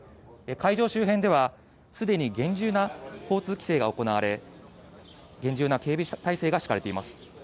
会場周辺では、すでに厳重な交通規制が行われ、厳重な警備態勢が敷かれています。